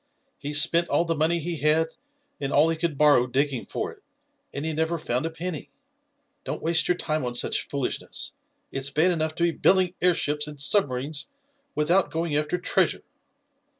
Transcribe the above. He spent all the money he had and all he could borrow digging for it, and he never found a penny. Don't waste your time on such foolishness. It's bad enough to be building airships and submarines without going after treasure."